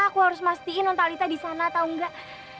aku harus mastiin nontalita di sana tau gak